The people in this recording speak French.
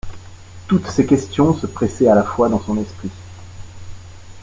Toutes ces questions se pressaient à la fois dans son esprit.